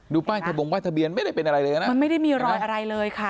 ป้ายทะบงป้ายทะเบียนไม่ได้เป็นอะไรเลยนะมันไม่ได้มีรอยอะไรเลยค่ะ